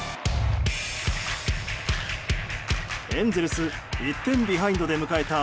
エンゼルス１点ビハインドで迎えた